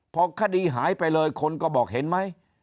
พอคดีหายไปเลยคนก็บอกเห็นไหม